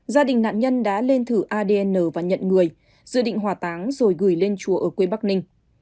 gia đình nạn nhân đã lên thử adn và nhận người dự định hòa táng rồi gửi lên chùa ở quê bắc ninh